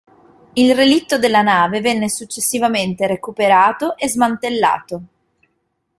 Il relitto della nave venne successivamente recuperato e smantellato.